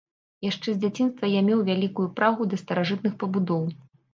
Яшчэ з дзяцінства я меў вялікую прагу да старажытных пабудоў.